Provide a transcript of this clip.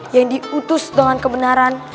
yang diutus dengan kebenaran